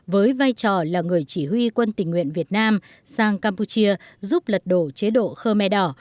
với vai trò là người chỉ huy quân tình nguyện việt nam sang campuchia giúp lật đổ chế độ khơ me đỏ